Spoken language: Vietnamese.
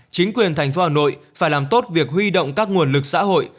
chính quyền thành phố hà nội phải làm tốt việc huy động các nguồn lực xã hội